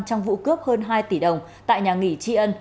trong vụ cướp hơn hai tỷ đồng tại nhà nghỉ tri ân